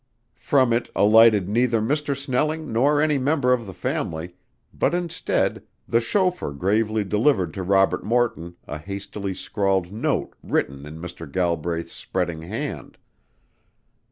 From it alighted neither Mr. Snelling nor any member of the family, but instead the chauffeur gravely delivered to Robert Morton a hastily scrawled note written in Mr. Galbraith's spreading hand.